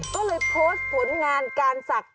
ก็เลยโพสต์ผลงานการศักดิ์